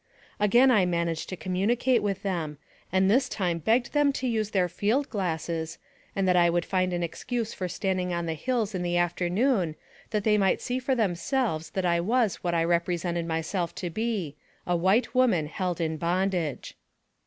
Again I managed to communicate with them, and this time begged them to use their field glasses, and that I would find an excuse for standing on the hills in the afternoon, that they might see for themselves that I was what I represented myself to be a white woman held in bondage.